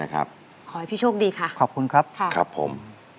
ขอให้พี่โชคดีค่ะขอบคุณครับค่ะครับผม